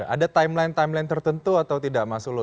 ada timeline timeline tertentu atau tidak mas ulu